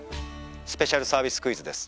スペシャルサービスクイズです